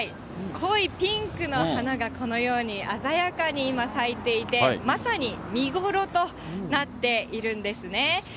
濃いピンクの花が、このように鮮やかに今咲いていて、まさに見頃となっているんですね。